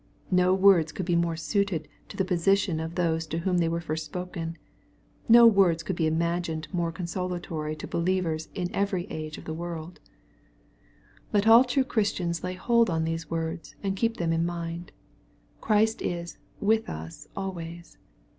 No words could be more suited to the position of those to whom they were first spoken. No words could be imagined more consolatory to believers in every age of the world MATTHEW, CHAP. XXVIII. 413 Let all true Christians lay hold on these words and keep them in mind. Christ is "with us" always.